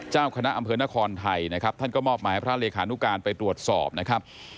เจ้าคณะอำเภอนครไทยนะครับท่านก็มอบหมายให้พระเลขานุการไปตรวจสอบนะครับ